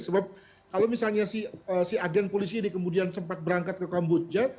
sebab kalau misalnya si agen polisi ini kemudian sempat berangkat ke kamboja